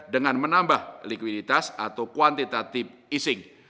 dengan menambah likuiditas atau kuantitatif easing